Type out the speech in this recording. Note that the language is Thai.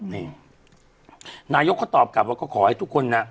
นี่นายกก็ตอบกลับว่าก็ขอให้ทุกคนนะ